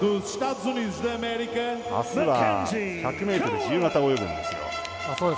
あすは、１００ｍ自由形を泳ぐんですよ。